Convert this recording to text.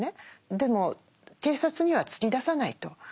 でも警察には突き出さないと。